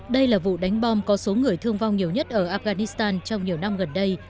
đây là vụ đánh bom có số người thương vong nhiều nhất ở afghanistan trong nhiều năm gần đây